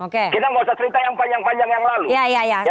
kita nggak usah cerita yang panjang panjang yang lalu